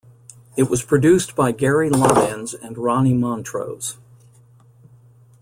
It was produced by Gary Lyons and Ronnie Montrose.